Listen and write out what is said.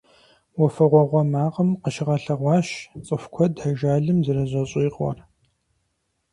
«Уафэгъуагъуэ макъым» къыщыгъэлъэгъуащ цӀыху куэд ажалым зэрызэщӀикъуэр.